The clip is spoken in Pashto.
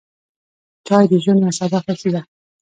چای د ژوند یوه ساده خوښي ده.